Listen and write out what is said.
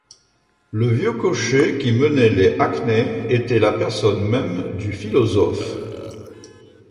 Le vieux cocher qui menait les hackneys était la personne même du philosophe.